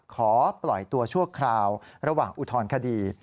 ขอปล่อยตัวชั่วคราวระหว่างอุทธรณคดี